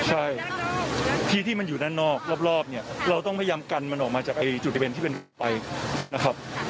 ใช่ที่ที่มันอยู่นอกรอบเนี่ยเราต้องการกันมันออกมาจากที่เป็นภูมิของไฟนะครับ